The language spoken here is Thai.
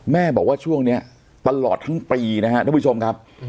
แม่บอกว่าช่วงนี้ตลอดทั้งปีนะครับทุกผู้ชมครับ